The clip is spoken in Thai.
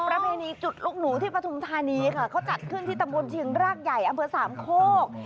ประเพณีจุดลูกหนูที่ปฐุมธานีค่ะเขาจัดขึ้นที่ตำบลเชียงรากใหญ่อำเภอสามโคก